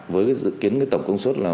với dự kiến tổng công suất